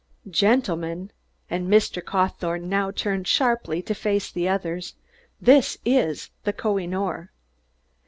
"Gentlemen," and Mr. Cawthorne now turned sharply to face the others, "this is the Koh i noor!